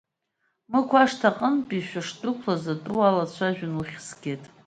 Мықә ашҭа аҟынтәи шәышдәықәлаз атәы уалацәажәон, уххь згеит.